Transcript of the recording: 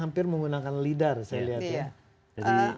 hampir menggunakan lidar saya lihat ya